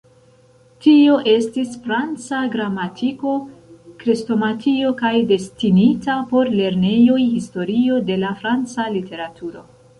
Tio estis franca gramatiko, krestomatio kaj destinita por lernejoj historio de la franca literaturo.